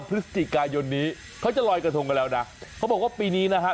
พฤศจิกายนนี้เขาจะลอยกระทงกันแล้วนะเขาบอกว่าปีนี้นะฮะ